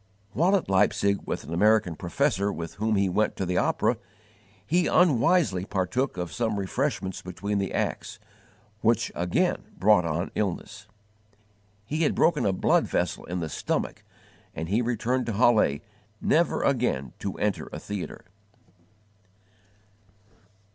While at Leipzig with an American professor with whom he went to the opera, he unwisely partook of some refreshments between the acts, which again brought on illness. He had broken a blood vessel in the stomach, and he returned to Halle, never again to enter a theatre.